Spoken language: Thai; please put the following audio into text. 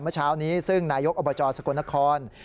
เมื่อเช้านี้ซึ่งนายกอบจสกลนคร